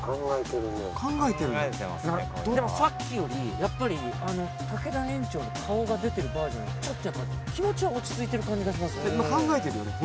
これでもさっきよりやっぱり竹田園長の顔が出てるバージョンよりちょっと気持ちは落ち着いてる感じがしますね考えてるよね